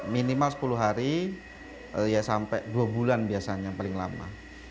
minimal sepuluh hari ya sampai dua bulan biasanya paling lama